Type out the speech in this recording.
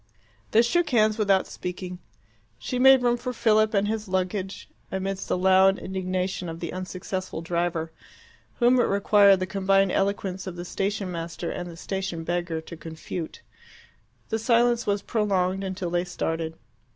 They shook hands without speaking. She made room for Philip and his luggage amidst the loud indignation of the unsuccessful driver, whom it required the combined eloquence of the station master and the station beggar to confute. The silence was prolonged until they started.